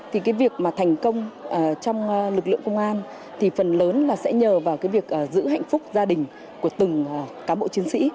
thì cái việc mà thành công trong lực lượng công an thì phần lớn là sẽ nhờ vào cái việc giữ hạnh phúc gia đình của từng cán bộ chiến sĩ